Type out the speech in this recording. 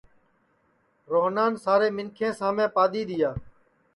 روہنان سارے منکھیں سامے پادؔی دؔیا